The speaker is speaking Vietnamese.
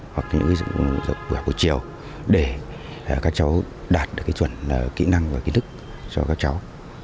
hoặc những giờ buổi chiều để các cháu đạt được cái chuẩn kỹ năng và kỹ thức cho các cháu